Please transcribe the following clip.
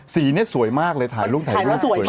สีนี่สวยมากเลยถ่ายรูปถ่ายแล้วสวยมาก